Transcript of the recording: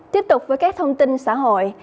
tiếp tục với các thông tin xã hội